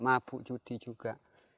mabuk judi juga